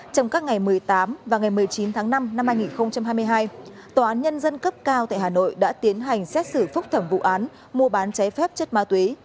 trong các ngày một mươi tám và ngày một mươi chín tháng năm năm hai nghìn hai mươi hai tòa án nhân dân cấp cao tại hà nội đã tiến hành xét xử phúc thẩm vụ án mua bán cháy phép chất ma túy